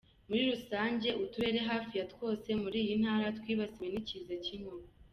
Muri rusange uturere hafi ya Twose muri iyi ntara twibasiwe n’ikiza cy’inkuba”.